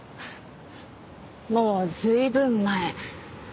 もう随分前。